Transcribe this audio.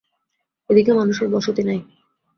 এদিকে মানুষের বসতি নাই।